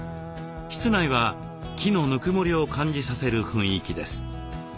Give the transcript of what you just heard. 室内は木のぬくもりを感じさせる雰囲気です。